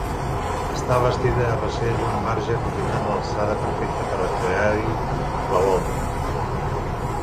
Està bastida a recer d'un marge aprofitant l'alçada perfecta per a crear-hi la volta.